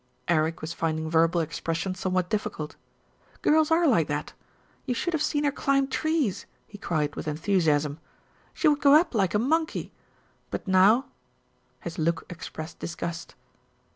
Eric was finding verbal expression somewhat difficult. "Girls are like that. You should have seen her climb trees," he cried with enthusiasm. "She would go up like a monkey ; but now " His look expressed disgust.